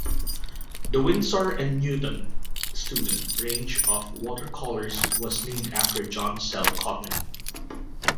The Winsor and Newton student range of watercolours was named after John Sell Cotman.